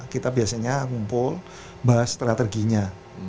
kita biasanya kumpul bahas strateginya